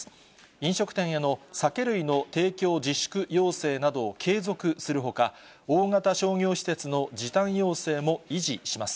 飲食店への酒類の提供自粛要請などを継続するほか、大型商業施設の時短要請も維持します。